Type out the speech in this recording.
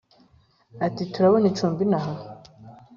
ati"turabona icumbi inaha?"